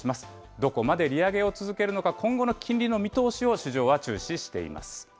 どこまで利上げを続けるのか、今後の金利の見通しを市場は注視しています。